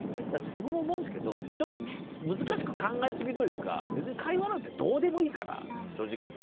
僕も思うんですけどちょっと、難しく考えすぎというか会話なんてどうでもいいから、正直言うと。